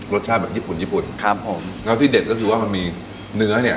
รสชาติแบบญี่ปุ่นญี่ปุ่นครับผมแล้วที่เด็ดก็คือว่ามันมีเนื้อเนี่ย